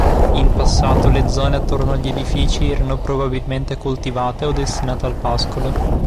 In passato le zone attorno agli edifici erano probabilmente coltivate o destinate al pascolo.